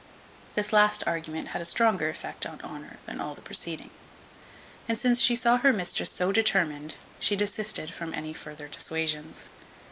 This last argument had a stronger effect on Honour than all the preceding. And since she saw her mistress so determined, she desisted from any further dissuasions.